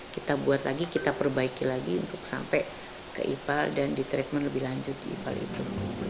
kita buat lagi kita perbaiki lagi untuk sampai ke hipal dan ditreatment lebih lanjut di hipal itu